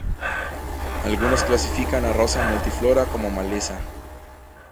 Algunos clasifican a "Rosa multiflora" como "maleza".